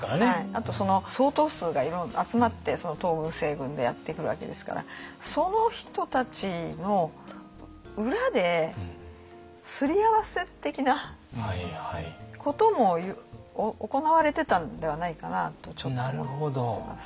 あと相当数が集まって東軍西軍でやって来るわけですからその人たちの裏ですり合わせ的なことも行われてたんではないかなとちょっと思ってます。